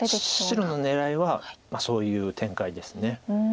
白の狙いはそういう展開です。